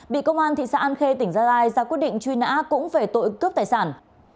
bị công an thị xã an khê tỉnh gia lai ra quyết định truy nã cũng về tội cướp tài sản